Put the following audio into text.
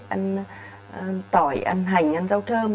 ăn tỏi ăn hành ăn rau thơm